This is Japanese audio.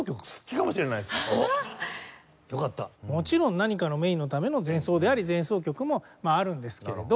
もちろん何かのメインのための前奏であり前奏曲もあるんですけれど。